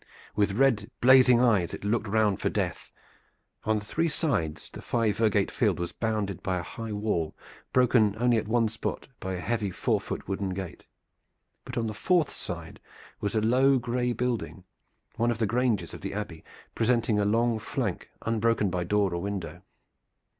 With red, blazing eyes it looked round for death. On three sides the five virgate field was bounded by a high wall, broken only at one spot by a heavy four foot wooden gate. But on the fourth side was a low gray building, one of the granges of the Abbey, presenting a long flank unbroken by door or window.